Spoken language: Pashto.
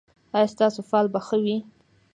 ایا ستاسو فال به ښه وي؟